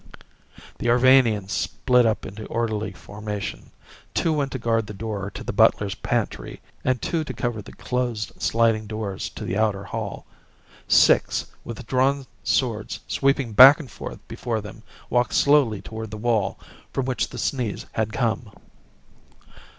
The Arvanians split up into orderly formation. Two went to guard the door to the butler's pantry, and two to cover the closed sliding doors to the outer hall. Six, with drawn swords sweeping back and forth before them, walked slowly toward the wall from which the sneeze had come.